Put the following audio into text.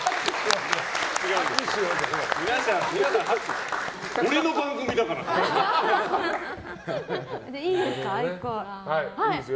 違うんですよ。